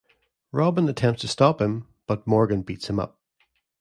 Robin attempts to stop him, but Morgan beats him up.